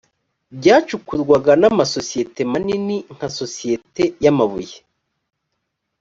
byacukurwaga n amasosiyete manini nka sosiyete y amabuye